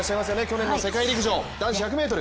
四年の世界陸上１００ｍ。